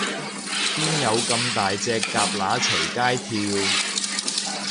邊有噉大隻蛤乸隨街跳